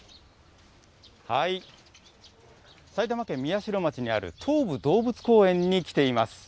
埼玉県宮代町にある東武動物公園に来ています。